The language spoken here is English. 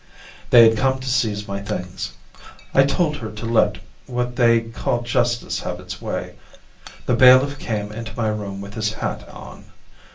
They had come to seize my things. I told her to let what they call justice have its way. The bailiff came into my room with his hat on.